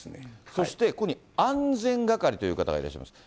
そして、ここに安全係という方がいらっしゃいます。